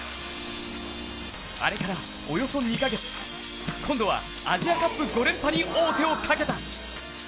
あれからおよそ２カ月、今度はアジアカップ５連覇に王手をかけた。